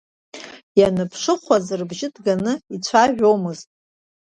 Ианыԥшыхәуаз рыбжьы ҭганы еицәажәомызт.